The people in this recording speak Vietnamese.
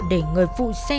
để người phụ xe